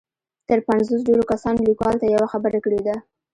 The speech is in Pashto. تر پنځوس ډېرو کسانو ليکوال ته يوه خبره کړې ده.